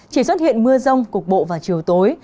chỉ xuất hiện mưa rông cục bộ vào chiều tối